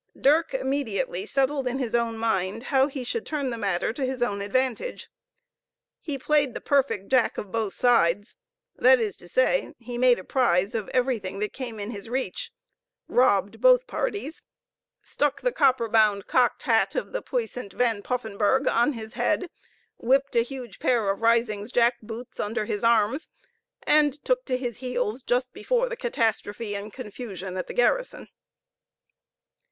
Dirk immediately settled in his own mind how he should turn the matter to his own advantage. He played the perfect jack of both sides that is to say, he made a prize of everything that came in his reach, robbed both parties, stuck the copper bound cocked hat of the puissant Van Poffenburgh on his head, whipped a huge pair of Risingh's jack boots under his arms, and took to his heels, just before the catastrophe and confusion at the garrison.